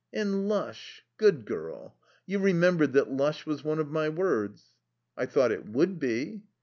"And 'lush.' Good girl. You remembered that 'lush' was one of my words?" "I thought it would be."